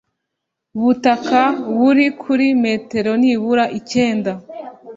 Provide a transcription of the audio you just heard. butaka buri kuri metero nibura icyenda